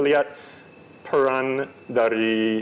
lihat peran dari